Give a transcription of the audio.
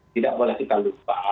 tidak boleh kita lupa